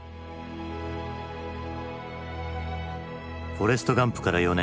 「フォレスト・ガンプ」から４年。